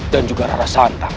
dan juga rara santang